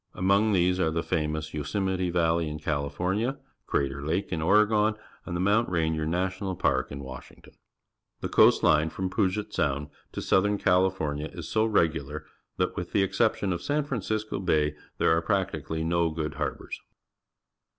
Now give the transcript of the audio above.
Among these are the famgus Yosemite Valley in Cali fornia, Crater Lake in Oregon, and the Mount Rainier National Park in W^ashington. 130 PUBLIC SCHOOL GEOGRAPHY The coast line from Puget Sound to South ern California is so regular that, with the exception of San Francisco Bay , there are practically no good harbours.